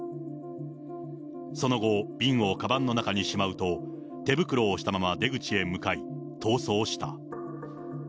その後、瓶をかばんの中にしまうと手袋をしたまま出口へ向かい、逃走した。